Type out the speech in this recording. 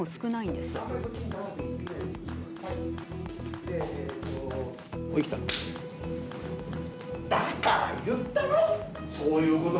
だから言ったろ？